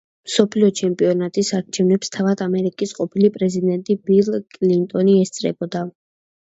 მსოფლიო ჩემპიონატის არჩევნებს თავად ამერიკის ყოფილი პრეზიდენტი ბილ კლინტონი ესწრებოდა.